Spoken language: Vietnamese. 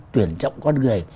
tuyển trọng con người